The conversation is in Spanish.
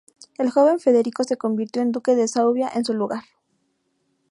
El joven Federico se convirtió en duque de Suabia en su lugar.